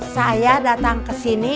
saya datang ke sini